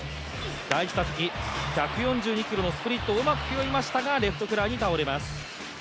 第１打席１４２キロのスプリットをうまく拾いましたがレフトフライに倒れます。